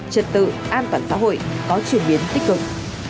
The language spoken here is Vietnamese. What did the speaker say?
trật tự an toàn xã hội có chuyển biến tích cực